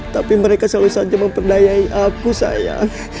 tapi mereka selalu saja memperdayai aku sayang